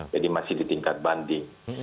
jadi masih di tingkat banding